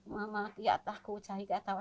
saya tidak tahu saya tidak tahu